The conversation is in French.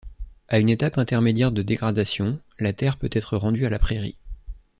À une étape intermédiaire de dégradation, la terre peut être rendue à la prairie.